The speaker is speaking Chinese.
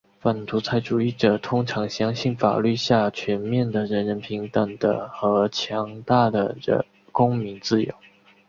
反独裁主义者通常相信法律下全面的人人平等的和强大的公民自由。